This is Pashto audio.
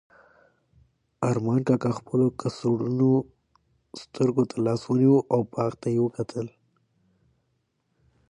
ارمان کاکا خپلو کڅوړنو سترګو ته لاس ونیو او باغ ته یې وکتل.